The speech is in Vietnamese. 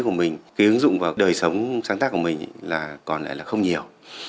cái ứng dụng vào đời sống sáng tác của mình là còn lại là không nhiều